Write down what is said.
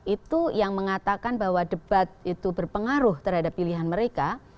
itu yang mengatakan bahwa debat itu berpengaruh terhadap pilihan mereka